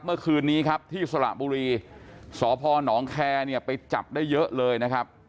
เมื่อคืนนี้ครับที่สระบุรีสพนแคร์เนี่ยไปจับได้เยอะเลยนะครับ